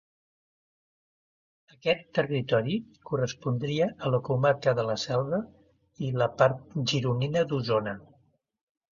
Aquest territori correspondria a la comarca de la Selva i la part gironina d'Osona.